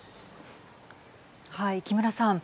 木村さん。